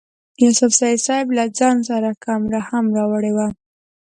یوسفزي صیب له ځان سره کمره هم راوړې وه.